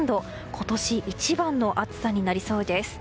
今年一番の暑さになりそうです。